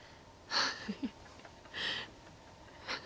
フフフ。